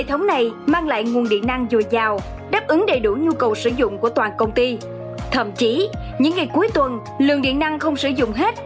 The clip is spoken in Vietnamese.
thậm chí những ngày cuối tuần lượng điện năng không sử dụng hết